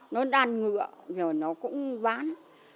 nó đan ngựa rồi nó cũng bán